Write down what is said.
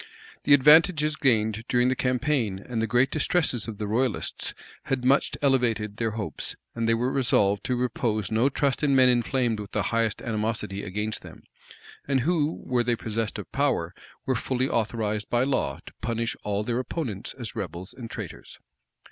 The advantages gained during the campaign and the great distresses of the royalists, had much elevated their hopes; and they were resolved to repose no trust in men inflamed with the highest animosity against them, and who, were they possessed of power, were fully authorized by law to punish all their opponents as rebels and traitors.